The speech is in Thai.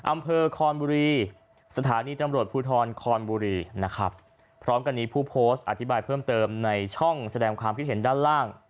อำเภอคอนบุรีสถานีตำรวจภูทรคอนบุรีนะครับพร้อมกันนี้ผู้โพสต์อธิบายเพิ่มเติมในช่องแสดงความคิดเห็นด้านล่าง